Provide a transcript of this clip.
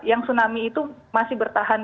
yang tsunami itu masih bertahan